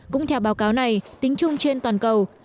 cũng theo báo cáo này tính chung trên toàn cầu